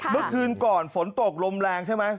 เมื่อคืนก่อนฝนตกลมแรงใช่ไหม